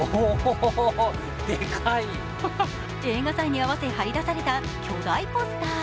映画祭に合わせ貼り出された巨大ポスター。